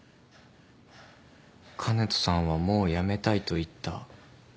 香音人さんはもうやめたいと言った。